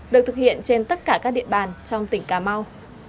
được thực hiện trên tất cả các địa bàn trong tỉnh cà mau